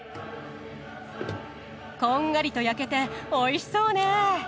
こんがりと焼けておいしそうね。